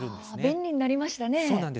便利になりましたね。